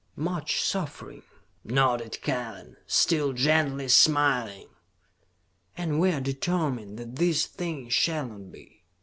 "Much suffering," nodded Kellen, still gently smiling. "And we are determined that this thing shall not be.